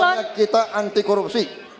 pokoknya kita anti korupsi